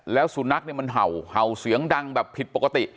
แล้วสุนัขเนี่ยมันเห่าเห่าเสียงดังแบบผิดปกติ